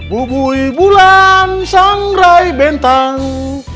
bubuy bulan sangrai bentang